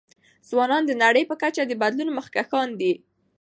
ځوانان د نړۍ په کچه د بدلون مخکښان دي.